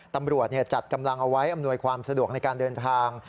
ตำรวจจัดกำลังเอาไว้อำนวยความสะดวกในการเดินทาง